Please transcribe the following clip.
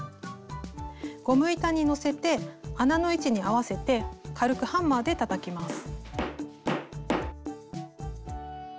ゴム板にのせて穴の位置に合わせて軽くハンマーでたたきます。